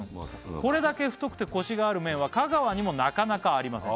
「これだけ太くてコシがある麺は香川にもなかなかありません」